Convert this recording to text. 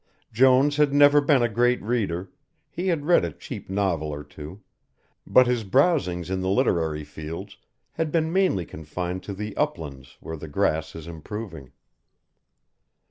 Jones had never been a great reader, he had read a cheap novel or two, but his browsings in the literary fields had been mainly confined to the uplands where the grass is improving.